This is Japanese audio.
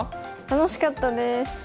楽しかったです。